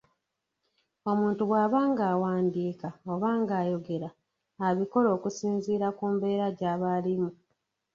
Omuntu bw'aba ng’awandiika oba ng’ayogera abikola okusinziira ku mbeera gy’aba alimu.